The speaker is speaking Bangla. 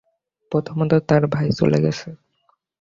প্রথমত তার ভাই চলে গেছে।